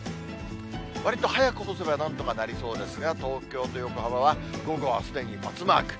わりと早く干せばなんとかなりそうですが、東京と横浜は午後はすでにバツマーク。